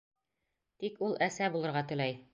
Тик ул Әсә булырға теләй.